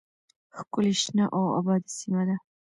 ښکلې شنه او آباده سیمه ده